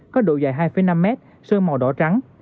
có độ dài hai năm m sơn màu đỏ trắng